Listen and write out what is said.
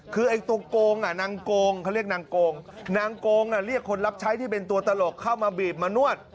คือไอ้ตัวโกงนางโกงเขาเรียกนางโกงนางโกงเรียกคนรับใช้ที่เป็นตัวตลกเข้ามาบีบมานวด